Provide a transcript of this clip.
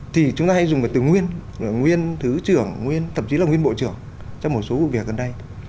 thì chúng ta hay dùng về từ nguyên nguyên thứ trưởng nguyên thậm chí là nguyên bộ trưởng trong một số vụ việc gần đây